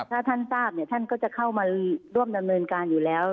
ถ้าท่านทราบเนี่ยท่านก็จะเข้ามาร่วมดำเนินการอยู่แล้ว